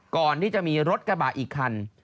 ก่อนที่จะมีรถกระบะอีกคัน